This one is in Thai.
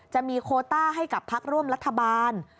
จะมีโคต้าให้กับพักร่วมรัฐบาล